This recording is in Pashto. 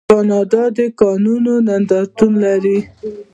کاناډا د کانونو نندارتون لري.